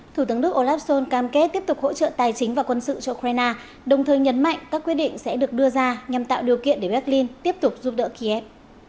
thủ tướng đức olaf schol cam kết tiếp tục hỗ trợ tài chính và quân sự cho ukraine đồng thời nhấn mạnh các quyết định sẽ được đưa ra nhằm tạo điều kiện để berlin tiếp tục giúp đỡ kiev